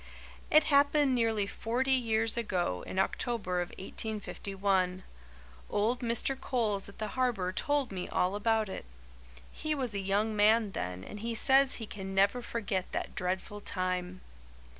"It happened nearly forty years ago, in October of 1851. Old Mr. Coles at the Harbour told me all about it. He was a young man then and he says he can never forget that dreadful time.